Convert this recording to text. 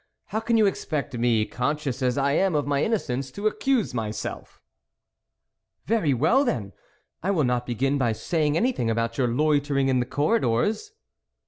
How can you expect me, con scious as I am of my innocence, to accuse myself ?"" Very well then ! I will not begin by saying anything about your loitering in the corridors."